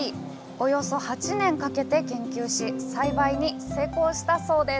およそ８年かけて研究し栽培に成功したそうです